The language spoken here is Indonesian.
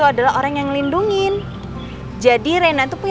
engeg bodjang biar engeg nyaduk mereng engep ada